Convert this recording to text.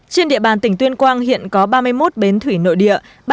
trên địa bàn tỉnh tuyên quang hiện có ba mươi một bến thủy nội địa